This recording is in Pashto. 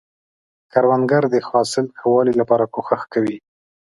کروندګر د حاصل ښه والي لپاره کوښښ کوي